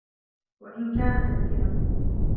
وَإِنْ كَانَ كَثِيرًا